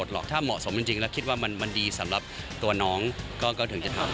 จริงแล้วคิดว่ามันดีสำหรับตัวน้องก็ถึงจะทำ